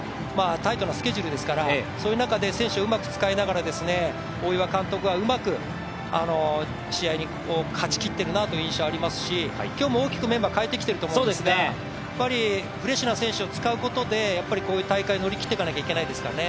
タイトなスケジュールですから、そういう中で選手をうまく使って大岩監督はうまく試合を勝ちきっているなという印象はありますし今日も大きくメンバー変えてきていると思うんですがやっぱりフレッシュな選手を使うことで、こういった大会を乗り切っていかないといけないですからね。